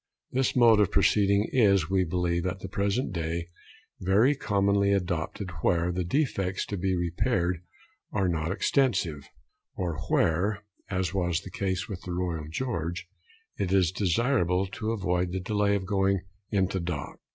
This mode of proceeding is, we believe at the present day, very commonly adopted where the defects to be repaired are not extensive, or where (as was the case with the Royal George) it is desirable to avoid the delay of going into dock.